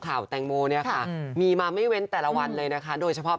ข่าวแตงโมเนี่ยค่ะมีมาไม่เว้นแต่ละวันเลยนะคะโดยเฉพาะ